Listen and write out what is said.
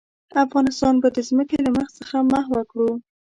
افغانستان به د ځمکې له مخ څخه محوه کړو.